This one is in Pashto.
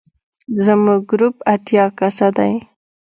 زموږ ګروپ اتیا کسه دی.